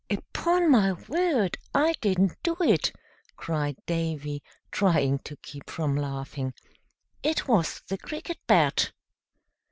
"Upon my word I didn't do it," cried Davy, trying to keep from laughing. "It was the Cricket Bat."